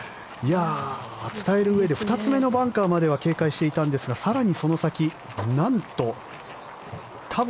伝えるうえで２つ目のバンカーまでは警戒していたんですがプシューッ！